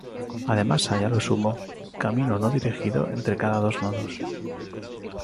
Además hay a lo sumo un camino no dirigido entre cada dos nodos.